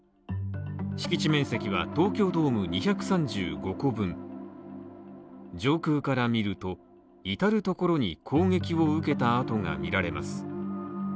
敷地面積は東京ドーム２３５個分上空から見ると、いたるところに攻撃を受けた跡が見られます。